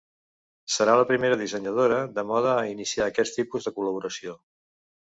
Serà la primera dissenyadora de moda a iniciar aquest tipus de col·laboració.